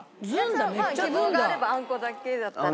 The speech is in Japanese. まあ希望があればあんこだけだったら。